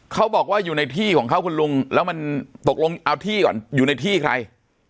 เขาบอกว่าอยู่ในที่ของเขาคุณลุงแล้วมันตกลงเอาที่ก่อนอยู่ในที่ใคร